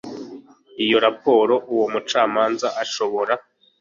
iyo raporo uwo mucamanza ashobora